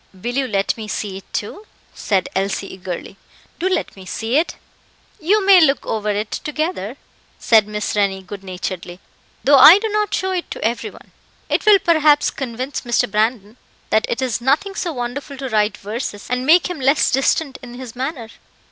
"Will you let me see it too?" said Elsie eagerly; "do let me see it." "You may look over it together," said Miss Rennie good naturedly, "though I do not show it to every one. It will perhaps convince Mr. Brandon that it is nothing so wonderful to write verses, and make him less distant in his manner.